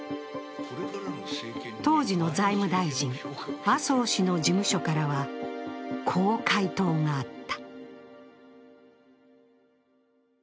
当時の財務大臣、麻生氏の事務所からはこう回答があった。